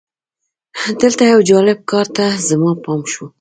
دلته یو جالب کار ته زما پام شو.